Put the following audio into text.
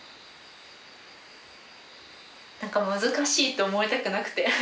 何か難しいと思いたくなくて。